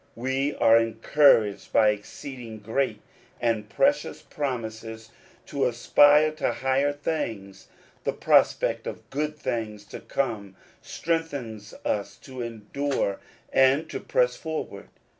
We are encouraged by exceeding great and precious promises to aspire to higher things. The prospect of good things to come strengthens us to endure, and to press forward.